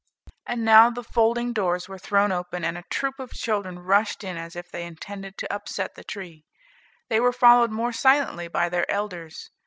And now the folding doors were thrown open, and a troop of children rushed in as if they intended to upset the tree; they were followed more silently by their elders.